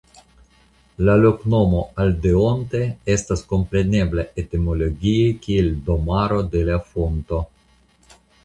La loknomo "Aldeonte" estas komprenebla etimologie kiel Domaro de la Fonto.